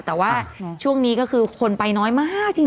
แต่ว่าช่วงนี้ก็คือคนไปน้อยมากจริง